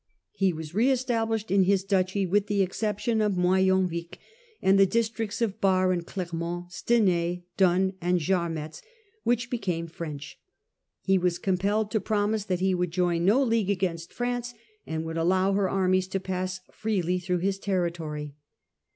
He was re established in his duchy, with the exception of Duke of Moyenvic and the districts of Bar and Cler Lorraine. m0 nt, Stenai, Dun, and Jarmetz, which became French. He was compelled to promise that he would join no league against France, and would allow her armies to pass freely through his territory.